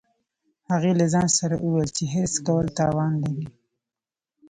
هغې له ځان سره وویل چې حرص کول تاوان لري